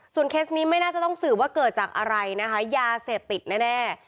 เคสนี้ไม่น่าจะต้องสืบว่าเกิดจากอะไรนะคะยาเสพติดแน่